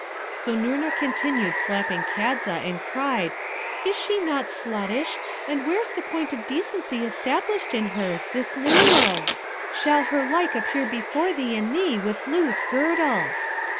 So Noorna continued slapping Kadza, and cried, 'Is she not sluttish? and where's the point of decency established in her, this Luloo? Shall her like appear before thee and me with loose girdle!'